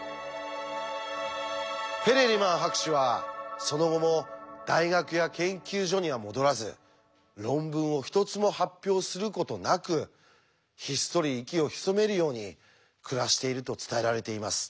ペレリマン博士はその後も大学や研究所には戻らず論文を一つも発表することなくひっそり息を潜めるように暮らしていると伝えられています。